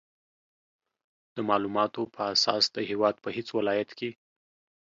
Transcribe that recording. د مالوماتو په اساس د هېواد په هېڅ ولایت کې